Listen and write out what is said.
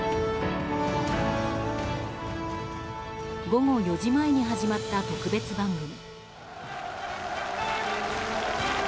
午後４時前に始まった特別番組。